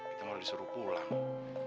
kita mau disuruh pulang